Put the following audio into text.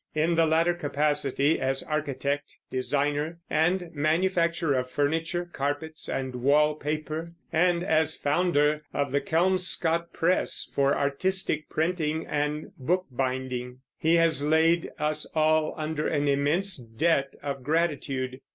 In the latter capacity, as architect, designer, and manufacturer of furniture, carpets, and wall paper, and as founder of the Kelmscott Press for artistic printing and bookbinding, he has laid us all under an immense debt of gratitude.